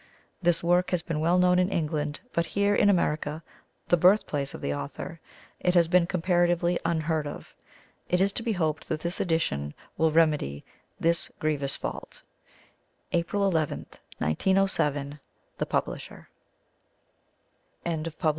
This work has been well known in England, but here, in America, the birthplace of the author, it has been comparatively unheard of. It is to be hoped that this edition will remedy this grievous fault. April 11, 1907 THE PUBLISHER. CONTENTS Introduction ... 13 Chapter I.